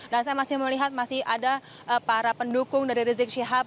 dan saya masih melihat masih ada para pendukung dari rizik sihab